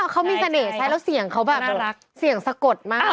เขามีสเนตแล้วเสียงเขาแบบเสียงสะกดมาก